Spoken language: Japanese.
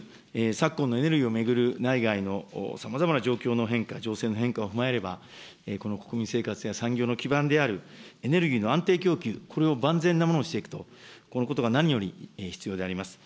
昨今のエネルギーを巡る内外のさまざまな状況の変化、情勢の変化を踏まえれば、この国民生活や産業の基盤であるエネルギーの安定供給、これを万全なものにしていくと、このことが何より必要であります。